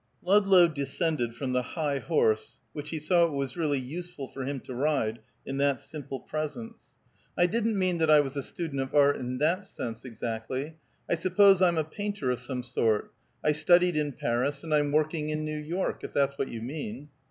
Ludlow descended from the high horse which he saw it was really useless for him to ride in that simple presence. "I didn't mean that I was a student of art in that sense, exactly. I suppose I'm a painter of some sort. I studied in Paris, and I'm working in New York if that's what you mean."